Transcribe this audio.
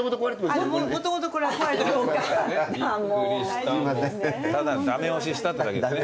ただ駄目押ししたってだけですね。